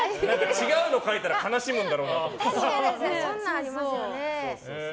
違うの書いたら悲しむんだろうなみたいな。